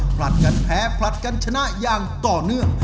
ผลัดกันแพ้ผลัดกันชนะอย่างต่อเนื่อง